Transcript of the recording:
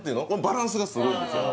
バランスがすごいんですよ